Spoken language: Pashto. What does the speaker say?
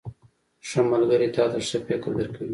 • ښه ملګری تا ته ښه فکر درکوي.